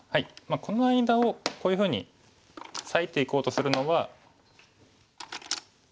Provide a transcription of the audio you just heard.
この間をこういうふうに裂いていこうとするのは。